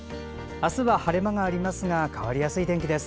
明日は晴れ間がありますが変わりやすい天気です。